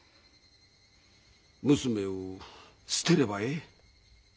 娘を捨てればええ。